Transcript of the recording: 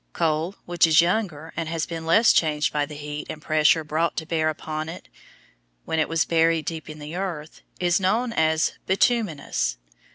Coal which is younger and has been less changed by the heat and pressure brought to bear upon it when it was buried deep in the earth, is known as bituminous.